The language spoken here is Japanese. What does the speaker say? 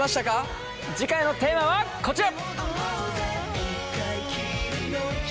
次回のテーマはこちら。